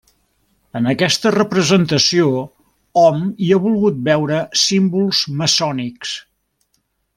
En aquesta representació, hom hi ha volgut veure símbols maçònics.